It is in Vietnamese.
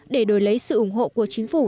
để đổi lấy sự ủng hộ của chính phủ